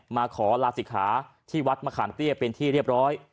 มาขอลาศิกขาที่วัดมะขามเตี้ยเป็นที่เรียบร้อย